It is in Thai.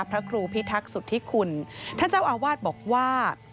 พระครูพิทักษุธิคุณท่านเจ้าอาวาสบอกว่า